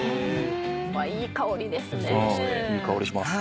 いい香りですね。